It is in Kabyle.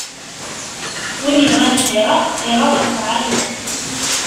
Win ibɣan ad ireɣ, ireɣ ɣef lɛali.